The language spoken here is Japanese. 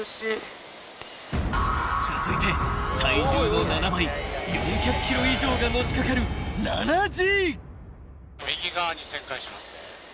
［続いて体重の７倍４００ｋｇ以上がのしかかる７Ｇ］